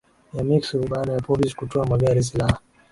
ya Mexico baada ya polisi kutwaa magari silaha